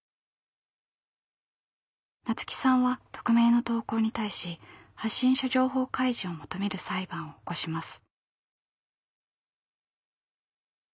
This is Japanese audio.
菜津紀さんは匿名の投稿に対し発信者情報開示を求める裁判を起こします。